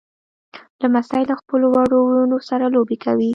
لمسی له خپلو وړو وروڼو سره لوبې کوي.